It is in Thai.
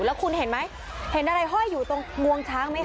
แล้วคุณเห็นไหมเห็นอะไรห้อยอยู่ตรงงวงช้างไหมคะ